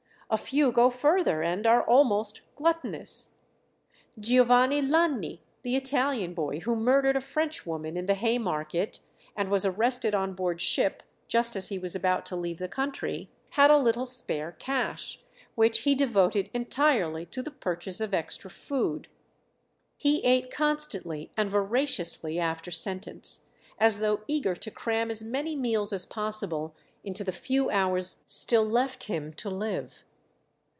A few go further, and are almost gluttonous. Giovanni Lanni, the Italian boy who murdered a Frenchwoman in the Haymarket, and was arrested on board ship just as he was about to leave the country, had a little spare cash, which he devoted entirely to the purchase of extra food. He ate constantly and voraciously after sentence, as though eager to cram as many meals as possible into the few hours still left him to live.